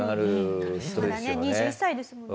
まだね２１歳ですものね。